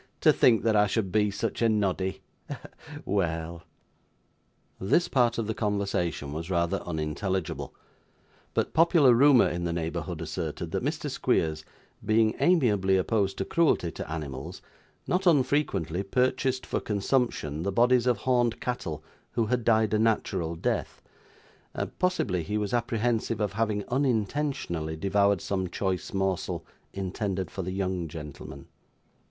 'To think that I should be such a noddy! Well!' This part of the conversation was rather unintelligible; but popular rumour in the neighbourhood asserted that Mr. Squeers, being amiably opposed to cruelty to animals, not unfrequently purchased for boy consumption the bodies of horned cattle who had died a natural death; possibly he was apprehensive of having unintentionally devoured some choice morsel intended for the young gentlemen.